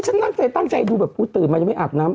ฉันตั้งใจตั้งใจดูแบบกูตื่นมายังไม่อาบน้ำ